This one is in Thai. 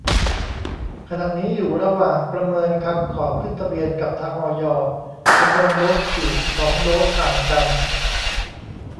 ขณะนี้อยู่ระหว่างประเมินคำขอขึ้นทะเบียนกับทาง อย จำนวนโดส ฉีด สอง โดส ห่างกัน